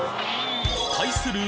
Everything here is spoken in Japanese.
対する